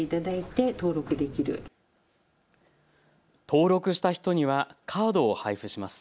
登録した人にはカードを配布します。